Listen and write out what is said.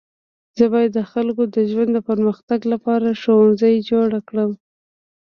زه باید د خلکو د ژوند د پرمختګ لپاره ښوونځی جوړه کړم.